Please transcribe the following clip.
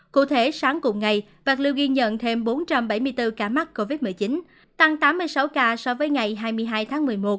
cụ thể sáng cùng ngày bạc liêu ghi nhận thêm bốn trăm bảy mươi bốn ca mắc covid một mươi chín tăng tám mươi sáu ca so với ngày hai mươi hai tháng một mươi một